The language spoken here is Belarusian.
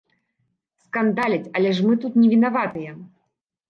Скандаляць, але ж мы тут не вінаватыя.